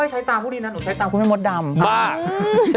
ใช้ตามคุณแม้งมดดำ